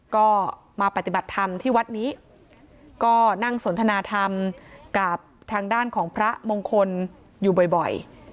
ก็มาปฏิบัติธรรมที่วัดนี้ก็นั่งสนทนาธรรมกับทางด้านของพระมงคลอยู่บ่อย